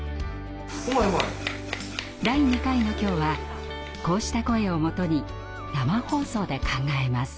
第２回の今日はこうした声をもとに生放送で考えます。